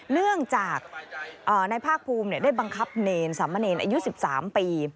เนื่องจากนายภาคภูมิได้บังคับเนรสามเณรอายุ๑๓ปี